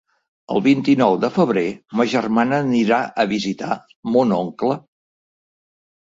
El vint-i-nou de febrer ma germana anirà a visitar mon oncle.